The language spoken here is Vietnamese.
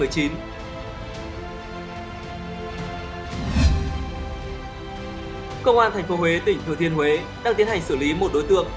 công an tp huế tỉnh thừa thiên huế đang tiến hành xử lý một đối tượng